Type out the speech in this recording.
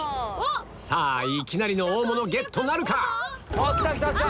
さぁいきなりの大物ゲットなるか⁉きたきたきた！